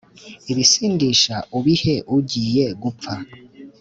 ibisindisha ubihe ugiye gupfa,